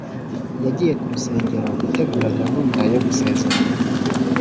yagiye ku rusengero gutegura gahunda yo gusezerana